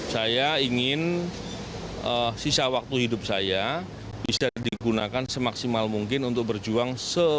saya ingin sisa waktu hidup saya bisa digunakan semaksimal mungkin untuk berjuang